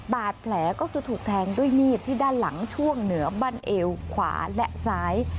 บาดแผลก็คือถูกแทงด้วยมีดที่ด้านหลังช่วงเหนือบั้นเอวขวาและซ้าย